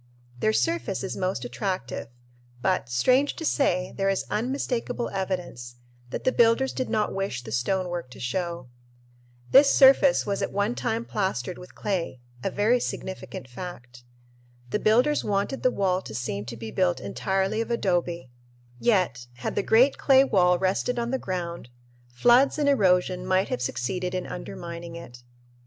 Their surface is most attractive, but, strange to say, there is unmistakable evidence that the builders did not wish the stonework to show. This surface was at one time plastered with clay, a very significant fact. The builders wanted the wall to seem to be built entirely of adobe, yet, had the great clay wall rested on the ground, floods and erosion might have succeeded in undermining it.